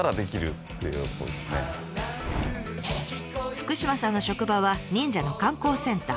福島さんの職場は忍者の観光センター。